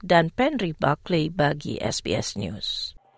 dan penri bakli bagi sbs news